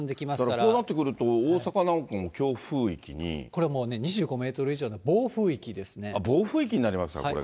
だからこうなってきますと、これもうね、２５メートル以暴風域になりますか、これは。